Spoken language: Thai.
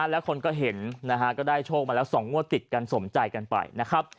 แล้วคนก็เห็นได้โชคมาแล้ว๒งั่วติดสมใจกันไปนะครับ